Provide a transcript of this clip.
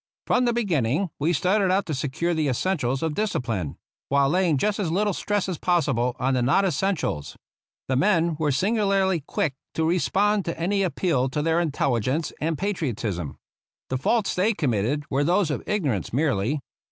From the beginning we started out to secure the essentials of discipline, while laying just as little stress as possible on the non essentials. The men were singularly quick to re spond to any appeal to their intelligence and patri otism. The faults they committed were those of ignorance merely.